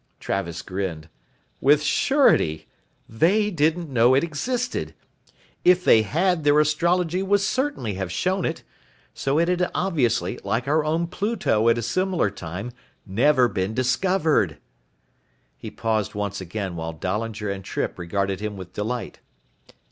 Travis grinned. "With surety. They didn't know it existed. If they had their astrology would certainly have shown it. So it had obviously, like our own Pluto at a similar time, never been discovered." He paused once again while Dahlinger and Trippe regarded him with delight.